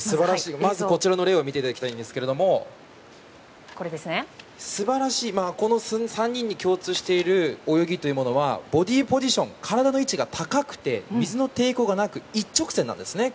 まず、こちら見ていただきたいんですが３人に共通している素晴らしい泳ぎというものはボディーポジション体の位置が高くて水の抵抗がなく一直線なんです。